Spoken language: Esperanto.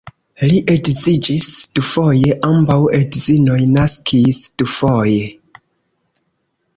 Li edziĝis dufoje, ambaŭ edzinoj naskis dufoje.